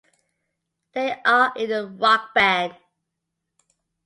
They are in a rock band.